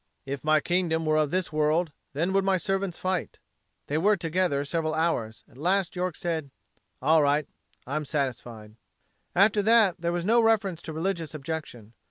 "If my kingdom were of this world, then would my servants fight." They were together several hours. At last York said: "All right; I'm satisfied." After that there was no reference to religious objection.